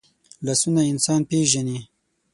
لاسونه انسان پېژني